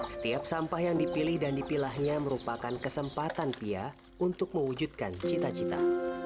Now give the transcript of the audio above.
setiap sampah yang dipilih dan dipilahnya merupakan kesempatan pia untuk mewujudkan cita cita